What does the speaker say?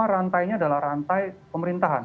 rantainya adalah rantai pemerintahan